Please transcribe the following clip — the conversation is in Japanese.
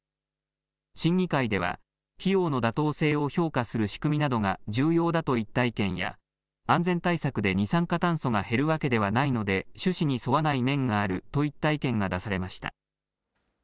審議会では費用の妥当性を評価する仕組みなどが重要だといった意見や、安全対策で二酸化炭素が減るわけではないので、趣旨に沿わない面があるといった意見が出されました。